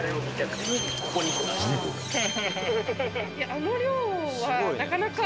あの量はなかなか。